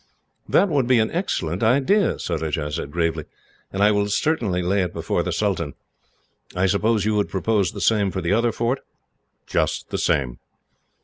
"That would be an excellent idea," Surajah said gravely, "and I will certainly lay it before the sultan. I suppose you would propose the same for the other fort?" "Just the same."